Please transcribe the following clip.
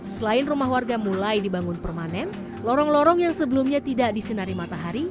selain rumah warga mulai dibangun permanen lorong lorong yang sebelumnya tidak disinari matahari